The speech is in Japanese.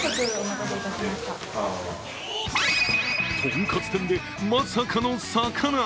とんかつ店でまさかの魚！